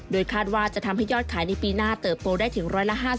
คาดว่าจะทำให้ยอดขายในปีหน้าเติบโตได้ถึง๑๕๐